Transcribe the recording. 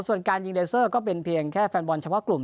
ส่วนการยิงเลเซอร์ก็เป็นเพียงแค่แฟนบอลเฉพาะกลุ่ม